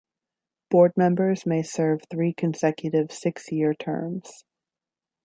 Board members may serve three consecutive six-year terms.